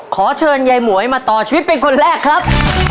ขอเชิญยายหมวยมาต่อชีวิตเป็นคนแรกครับ